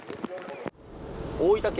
大分県